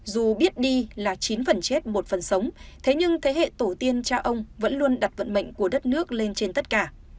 dù biết đi là chín phần chết một phần sống thế nhưng thế hệ tổ tiên cha ông vẫn luôn đặt vận mệnh của đất nước lên trên tất cả